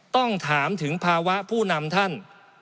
ต้องถามถึงภาวะผู้นำท่าน